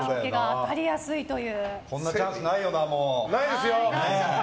こんなチャンスないよな、もう。